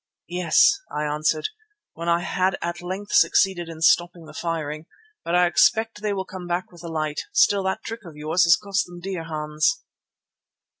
"Yes," I answered, when I had at length succeeded in stopping the firing, "but I expect they will come back with the light. Still, that trick of yours has cost them dear, Hans."